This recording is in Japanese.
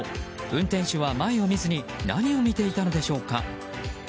運転手は前を見ずに何を見ていたのでしょうか。